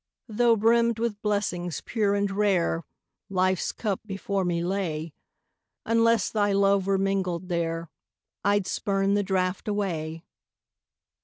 Tho' brimmed with blessings, pure and rare, Life's cup before me lay, Unless thy love were mingled there, I'd spurn the draft away.